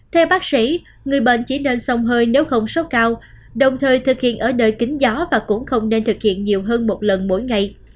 theo bác sĩ người bệnh chỉ nên sông hơi nếu không sốt cao đồng thời thực hiện ở đời kính gió và cũng không nên thực hiện nhiều hơn một lần mỗi ngày